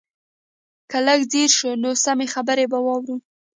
که لږ ځير شو نو سمې خبرې به واورو.